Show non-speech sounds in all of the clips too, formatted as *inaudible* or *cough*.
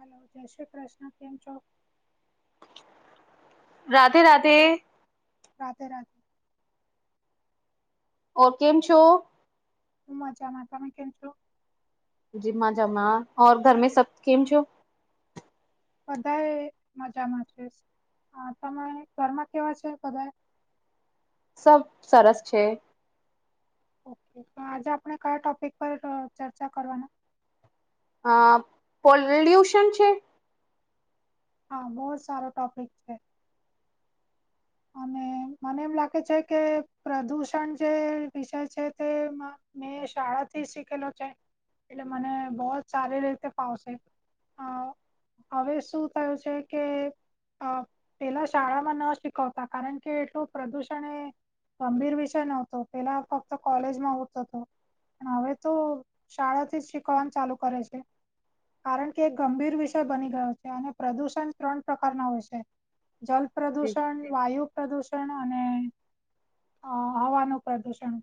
Hello, જય શ્રી કૃષ્ણ. કેમ છો? રાધે, રાધે. રાધે, રાધ ઓ કેમ છો? હું મજામાં. તમે કેમ છો? જી મજામાં ઓર ઘરમે સબ કેમ છો? બધાએ મજામાં છે. આ તમે ઘર માં કેવા છો બધા એ. સબ સરસ છે. ઓકે તો આજે આપણે કયા ટોપિક પર અહ ચર્ચા કરવાના? અહ પોલ્યુશન છે. હા બહુ જ સારો ટોપિક છે. *unintelligible* અને *inaudible* મને એમ લાગે છે, કે પ્રદુષણ જે વિષય છે, તેમાં મેં શાળાથી શીખેલો છે, એટલે મને બહુ જ સારી રીતે ફાવશે. *unintelligible* અ *inaudible* હવે શું થયું છે, કે અહ પેહલા શાળામાં ના શીખાવ આ કારણ કે એટલું પ્રદૂષણ એ ગંભીર વિષય નહોતો પેલા ફક્ત કોલેજમાં આવતો તો. પણ હવે તો શાળા થીજ શીખવાનું ચાલુ કરે છે. કારણ કે એક ગંભીર વિષય બની ગયો છે અને પ્રદૂષણ ત્રણ પ્રકારના હોય છે. જલ પ્રદૂષણ વાયુ પ્રદુષણ અને અહ હવાનું પ્રદુષણ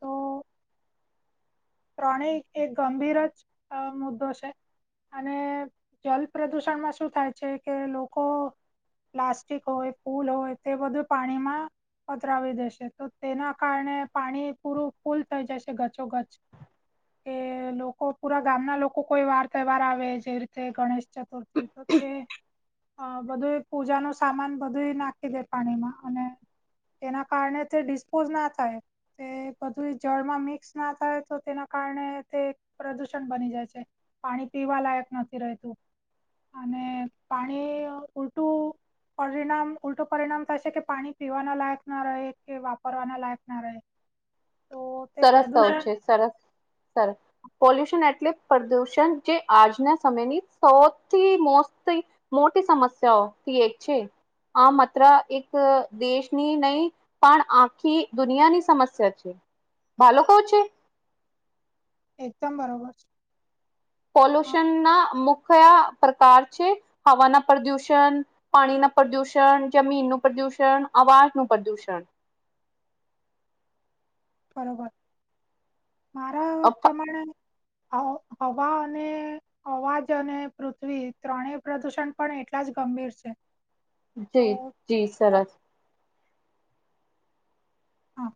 તો ત્રણેય એક ગંભીર જ મુદ્દો છે, અને જલ પ્રદુષણમાં શું થાય છે, કે લોકો પ્લાસ્ટિક હોય ફૂલ હોય તે બધું પાણીમાં પધરાવી દેશે તો તેના કારણે પાણી પૂરું ફૂલ થઈ જશે ગચોગચ. કે લોકો પુરા ગામના લોકો કોઈવાર તહેવાર આવે જેવી રીતે ગણેશચતુર્થી કે બધું પૂજાનું સામાન બધું નાખી દે પાણીમાં અને એના કારણે તે ડિસ્પોઝ ના થાય તે બધું જળમાં મિક્સના થાય તો તેના કારણે તે પ્રદુષણ બની જાય છે, પાણી પીવા લાયક નથી રહેતું. અને પાણી ઉલટું પરિણામ ઉલટું પરિણામ થશે કે પાણી પીવાના લાયક ના રહે કે વાપરવાના લાયક ના રહે તો તે સરસત *unintelligible* પ્રદૂષણ છે, સરસ, સરસ પોલ્યુશન એટલે પ્રદૂષણ જે આજના સમયની સૌથી મોસ્ત મોટી સમસ્યાઓથી એક છે, આ માત્ર એક દેશની નહીં પણ આખી દુનિયાની સમસ્યા છે. બાલોકો છે એકદમ બરોબર છે. હા પોલ્યુશનના મુખ્ય પ્રકાર છે હવાના પ્રદૂષણ પાણીના પ્રદુષણ, જમીનનું પ્રદુષણ, આવાજનું પ્રદુષણ. બરોબર મારા પ્રમાણે હ હવા અને અવાજ અને પૃથ્વી ત્રણેય પ્રદૂષણ પણ એટલા જ ગંભીર છે. તો જી જી ત- સરસ. હા.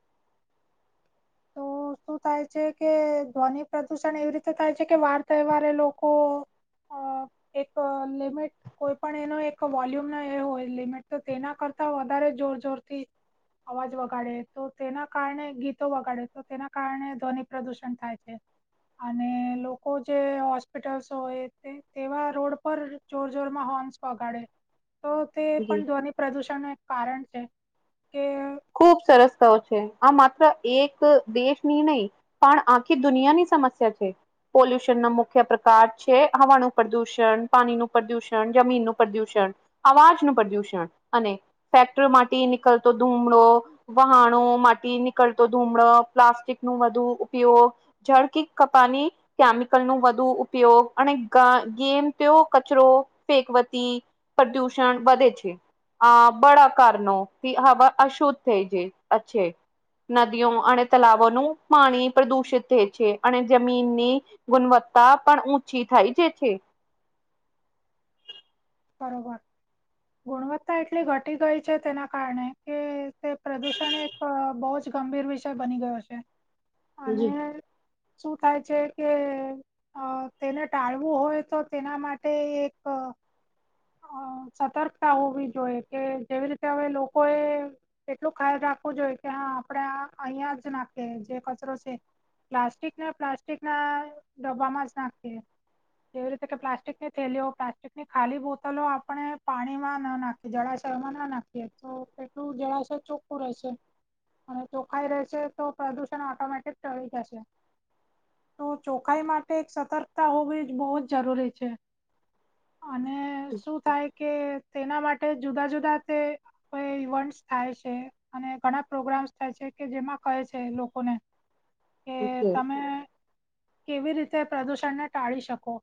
તો *inaudible* શું થાય છે કે ધ્વનિ પ્રદુષણ એવી રીતે થાય છે કે વાર તહેવારે લોકો. અ એક લિમિટ કોઈ પણ એનો એક વોલ્યુમ ના એ હોય લિમિટ તો તેના કરતા વધારે જોર જોરથી. અવાજ વગાડે તો તેના કારણે ગીતો વગાડે તો તેના કારણે ધ્વનિ પ્રદુષણ થાય છે. અને લોકો જે હોસ્પિટલ્સ હોય તે તેવા રોડ પર જોર જોર માં હોર્ન્સ વગાડે તો તે જી પણ ધ્વનિ પ્રદૂષણ નું એક કારણ છે કે ખુબ સરસ *unintelligible* છે આ માત્ર એક દેશની નઇ પણ આખી દુનિયાની સમસ્યા છે. પોલ્યુશન ના મુખ્ય પ્રકાર છે હવાનું પ્રદુષણ, પાણીનું પ્રદુષણ, જમીનનું પ્રદુષણ. અવાજનું પ્રદુષણ અને ફેક્ટરી માથી નીકળતો ધૂ માળો વહાણો માથી નીકળતો ધૂમડો પ્લાસ્ટિકનું વધુ ઉપયોગ *unintelligible* કેમિકલ નું વધુ ઉપયોગ અને ગેમ તે કચરો ફેકવાથી પ્રદુષણ વધે છે આ *unintelligible* કે હવા અશુદ્ધ થઈ જાય *unintelligible* નદીઓ અને તલાવોનું પાણી પ્રદુષિત થાય છે અને જમીનની ગુણવત્તા પણ ઓછી થાય જ છે. બરોબર. ગુણવત્તા એટલી ઘટી ગઈ છે તેના કારણે કે તે પ્રદૂષણ એક અ બોજ ગંભીર વિષય બની ગયો છે. *inaudible* અને શું થાય છે કે અ તેને ટાળવું હોય તો તેના માટે એક અ સતર્કતા હોવી જોઈએ કે જેવી રીતે હવે લોકો એ એટલું ખ્યાલ રાખવું જોઈએ કે હા આપડે આ અહિયાં જ નાખીએ જે કચરો છે. પ્લાસ્ટિક ના પ્લાસ્ટિક ના ડબ્બામાં જ નાખીએ. એવી રીતે કે પ્લાસ્ટિકની થેલીઓ પ્લાસ્ટિકની ખાલી બો તલો આપણે પાણીમાં ના નાખીએ જળાશયમાં ના નાખીએ તો કેટલું જળાશય ચોખ ખુ રહે છે અને ચોખાઈ રહેશે તો પ્રદુષણ ઓટોમેટિક ટળી જશે. તો ચોખાઈ માટે એક સતર્કતા હોવી જ બહુ જ જરૂરી છે. અને. શું થાય કે તેના માટે જુદા જુદા તે કોય ઇવન્ટ્સ થાય છે. અને ઘણા પ્રોગ્રામ્સ થાય છે કે જેમાં કહે છે એ લોકોને કે તમે. કેવી રીતે પ્રદુષણને ટાળી શકો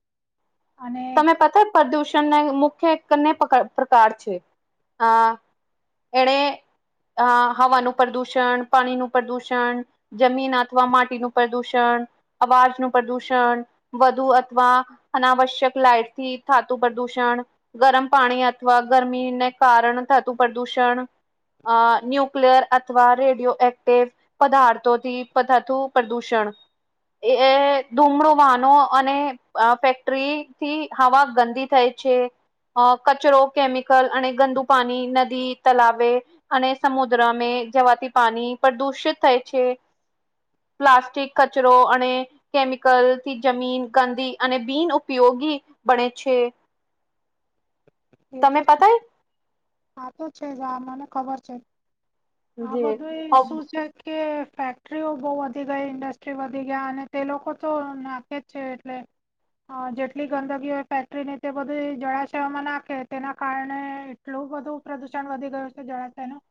અને *unintelligible* પતા હે પ્રદૂષણને મુખ્ય કને પકાર પ્રકાર છે હા એણે આ હવાનું પ્રદુષણ પાણીનું પ્રદુષણ. જમીન અથવા માટીનું પ્રદુષણ અવાજનું પ્રદુષણ વધુ અથવા અનાવશ્યક લાઈટ થી થાતુ પ્રદુષણ ગરમ પાણી અથવા ગરમીને કારણ થતું પ્રદૂષણ અ ન્યુ ક્લિયર અથવા રેડિયો એક્ટિવ પદાર્થોથી *unintelligible* પ્રદૂષણ એ એ ધુમડો વાહનો અને અહ ફેક્ટરી થી હવા ગંદી થાય છે. અ કચરો કેમિકલ અને ગંદુ પાની નદી તલાવે અને સમુદ્રમે જવાથી પાની પ્રદુષિત થાય છે. પ્લાસ્ટિક કચરો અને કેમિકલ થી જમીન ગંદી અને બીન ઉપયોગ થી બણે છે. એતો તમે જ પતાય આતો છે જ આ મને ખબર છે. આ જી બધું ઈ શું છે? કે ફેક્ટરીઓ બોહુ વધી ગઈ ઇન્ડસ્ટ્રી વધી ગિયા અને તે લોકો તો નાખે જ છે એટલે હ જેટલી ગંદગી હોય ફેક્ટરીની તે બધી જળાશયોમાં નાખે તેના કારણે એટલું બધું પ્રદુષણ વધી ગયું છે જળાશય નુ.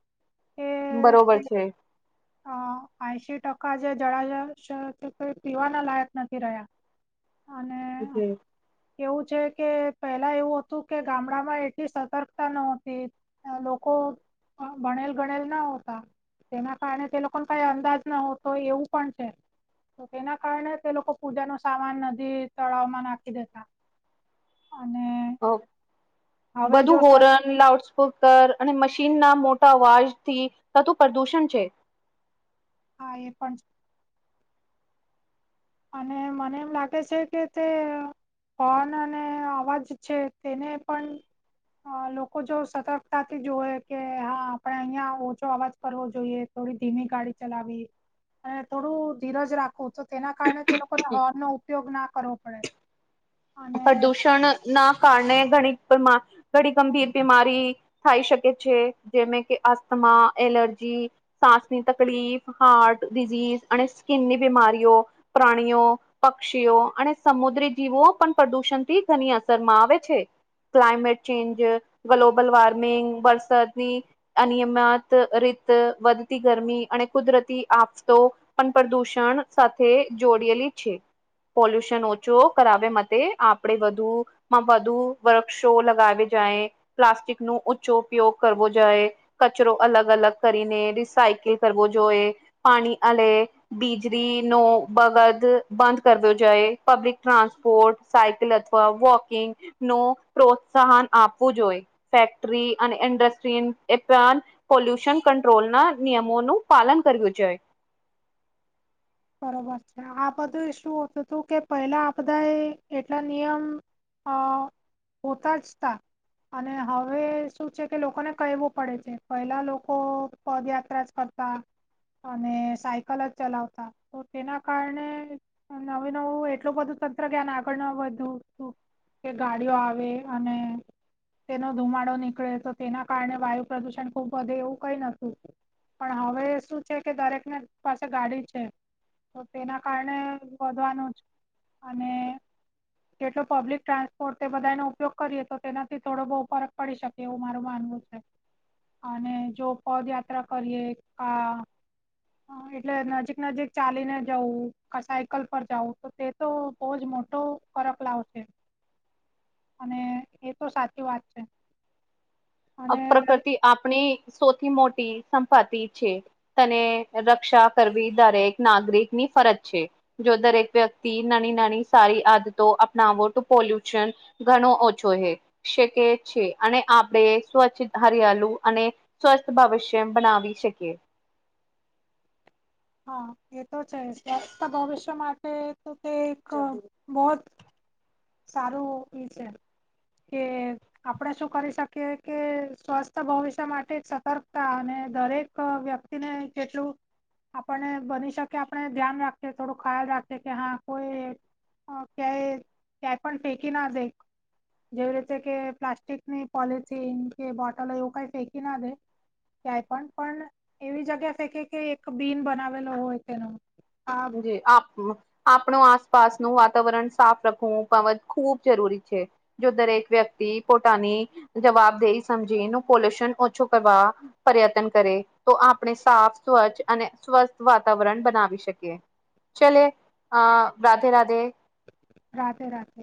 બરોબર છે. અહ એંશી ટકા જે જળાશયો *unintelligible* છે તે કોઈ પીવાના લાયક નથી રહ્યા. અને શું કેય? કેવું છે કે પહેલા એવું હતું કે ગામડામાં એટલી સતર્કતા નો હતી. અ લોકો અ ભણેલ ગણેલ નો હોતા તેના કારણે તે લોકોને કઈ અંદાજ ન હોતો એવું પણ છે. તો તેના કારણે તે લોકો પૂજાનો સામાન નદી તળાવમાં નાખી દેતા. અને હવે જો બધું સાચ હોરન લાઉડ સ્પુકર અને મશીન ના મોટા અવાજ થી થતું પ્રદુષણ છે. હા એ પણ છે અને મને એમ લાગે છે કે તે પવન અને અવાજ છે તેને પણ અ લોકો જો સતર્કતાથી જોવે કે હા આપણે અહિયા ઓછો અવાજ કરવો જોઈએ. થોડી ધીમી ગાડી ચલાવી અને થોડું ધીરજ રાખું તો તે કારણે તે લોકો ને હોર્ન નો ઉપયોગ ના કરવો પડે. અને પ્રદૂષણ ના કારણે ઘણી બિમા ઘણી ગંભીર બીમારી થાય શકે છે જેમે કે અસ્થમા એલર્જી સાસની તકલીફ હાર્ટ ડિઝિઝ અને સ્કીનની બીમારી ઓ પ્રાણીઓ પક્ષીઓ અને સમુદ્રી જીવો પણ પ્રદુષણ થી ઘણી અસર માં આવે છે ક્લામેટ ચેન્જ ગ્લોબલ વાર્મિંગ વરસદની અનિય મત રીત વધતી ગરમી અને કુદરતી આફતો પણ પ્રદુષણ સાથે જોડયેલી છે પોલ્યુશન ઓછો કરાવે મા કે આપડે વધુ માં વધુ વ્રર્કશો લગાવી જાયે. પ્લાસ્ટિક નો ઓછો ઉપયોગ કરવો જાય કચરો અલગ અલગ કરીને રિસાયકીલ કરવો જોઈએ પાણી આલે બીજળી નો બગદ બંધ કરવ્યો જઈ પબ્લિક ટ્રાન્સપોર્ટ સાયકલ અથવા વોકિંગ નો પ્રોત્સાહન આપવું જોઈ. ફેક્ટરી અને ઇન્ડસ્ટ્રી ન એ પણ પોલ્યુશન કંટ્રોલ ના નિયમોનું પાલન કરયુ જોઈ. બરોબર છે આ બધું શું હતું તુ કે પહેલા આ બધાય એટલા નિયમ અ હોતા જ તા અને હવે શું છે કે લોકો ને કહેવું પડે છે પહેલા લોકો પદયાત્રા જ કરતા અને સાઇકલ જ ચલાવતા તો તેના કારણે નવું નવું એટલું બધું તંત્ર જ્ઞાન આગળ ન વધ્યું તુ કે ગાડી ઓ આવે અને તેનો ધુમાડો નીકળે તો તેના કારણે વાયુ પ્રદુષણ ખુબ વધે એવું કંઈ નતું પણ હવે શું છે કે દરેક ને પાસે ગાડી છે તો તેના કારણે વધવાનું જ અને કેટલો પબ્લિક ટ્રાન્સપોર્ટ તે બધાનો ઉપયોગ કરીએ તો તેનાથી થોડો બહુ ફરક પડી શકે એવું માર માનવું છ *inaudible* અને જો પદયાત્રા કરીએ કા હ એટલે નજીક નજીક ચાલીને જવું કા સાયકલ પર જાવું તે તો બહુ જ મોટો ફરક લાવશે *inaudible* અને એ તો સાચી વાત છે અ અને રહી પ્રકૃતિ આપની સૌથી મોટી સંપતિ છે તને રક્ષા કરવી દરેક નાગરિકની ફરજ છે જો દરેક વ્યક્તિ નાની નાની સારી આદતો અપનાવો તો પોલ્યુશન ઘણો ઓછો હે શકે છે અને આપણે સ્વચ્છ હરિયાલુ અને સ્વસ્થ ભવિષ્ય બનાવી શકીએ હા એ તો છે જ ખાસ તો ભવિષ્ય માટે તો તે એક બહૂત સારું ઈ છે કે આપણે શું કરી શકીએ કે સ્વસ્થ ભવિષ્ય માટે સતર્કતા અને દરેક વ્ય એને કેટલું આપણને બની શકે આપણે ધ્યાન રાખે થોડું ખ્યાલ રાખે કે હા કોઈ હ ક્યાંય ક્યાંય પણ ફેંકીના દેય. જેવી રીતે કે પ્લાસ્ટિક ની પોલિથીન કે બોટલ એવું કંઈ ફેંકી ના દે. ક્યાંય પણ પણ એવી જગ્યા ફેંકે કે એક બીન બનાવેલો હોય તેનો આ જે આપણુ આપણું આસપાસનું વાતાવરણ સાફ રાખવું પવત ખૂબ જરૂરી છે. જો દરેક વ્યક્તિ પોતાની જવાબદેઈ સમજીન પોલ્યુશન ઓછું કરવા પર્યત્ન કરે તો આપણે સાફ સ્વચ્છ અને સ્વસ્થ વાતાવરણ બનાવી શકીએ. એ ચલે અ રાધે રાધે. રાધે રાધે.